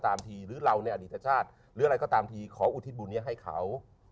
อะไรก็ตามทีขออุทิศบุญเนี่ยให้เขา